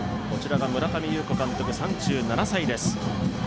こちらが村上裕子監督３７歳です。